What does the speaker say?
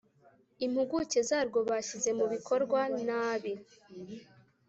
Impuguke zarwo bashyize mu bikorwa nabi